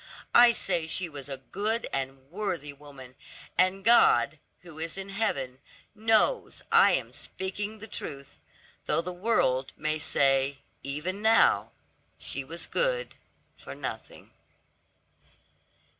I say she was a good and worthy woman, and God, who is in heaven, knows I am speaking the truth, though the world may say, even now she was good for nothing."